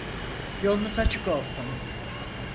Yolunuz açık olsun.